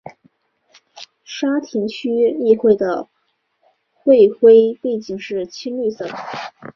沙田区议会的会徽背景是青绿色。